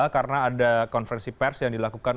karena ada konferensi pers yang dilakukan